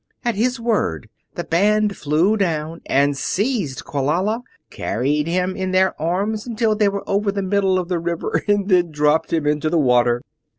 At his word the band flew down and seized Quelala, carried him in their arms until they were over the middle of the river, and then dropped him into the water.